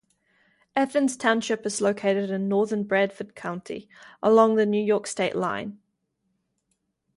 Athens Township is located in northern Bradford County, along the New York state line.